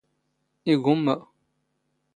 ⵉⴳⵓⵎⵎⴰ